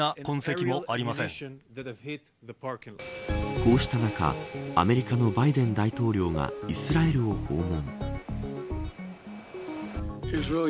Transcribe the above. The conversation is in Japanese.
こうした中アメリカのバイデン大統領がイスラエルを訪問。